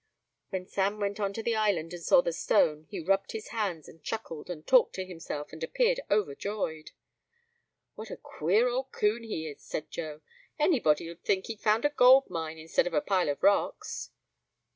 When Sam went on to the island and saw the stone, he rubbed his hands, and chuckled, and talked to himself, and appeared overjoyed. "What a queer old coon he is!" said Joe; "anybody'd think he'd found a gold mine, instead of a pile of rocks."